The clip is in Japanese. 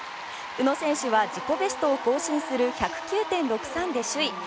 宇野選手は自己ベストを更新する１０９．６３で首位。